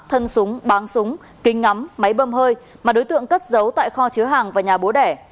thân súng bám súng kính ngắm máy bơm hơi mà đối tượng cất giấu tại kho chứa hàng và nhà bố đẻ